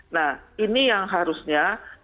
nah ini yang harusnya